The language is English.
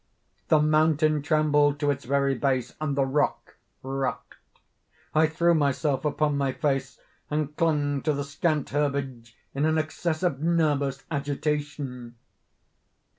The mountain trembled to its very base, and the rock rocked. I threw myself upon my face, and clung to the scant herbage in an excess of nervous agitation.